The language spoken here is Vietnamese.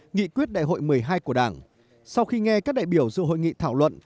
nghị quyết đại hội một mươi hai của đảng sau khi nghe các đại biểu dự hội nghị thảo luận